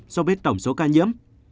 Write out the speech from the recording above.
so với tổng số ca nhiễm